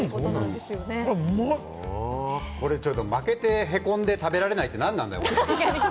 これ負けて、へこんで食べられないってなんだんだよ。